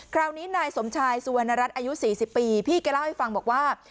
คราวนี้นายสมชายสุวรรณรัฐอายุ๔๐ปีพี่แกเล่าให้ฟังบอกว่า